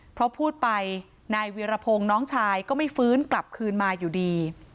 เพราะพูดไปนายเวียรพงศ์น้องชายก็ไม่ฟื้นกลับคืนมาอยู่ดี